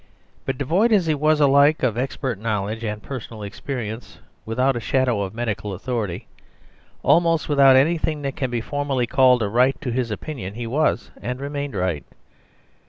But devoid as he was alike of expert knowledge and personal experience, without a shadow of medical authority, almost without anything that can be formally called a right to his opinion, he was, and remained, right.